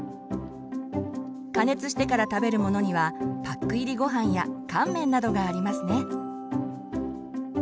加熱してから食べるものにはパック入りごはんや乾麺などがありますね。